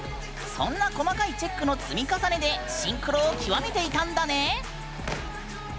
そんな細かいチェックの積み重ねでシンクロを極めていたんだね！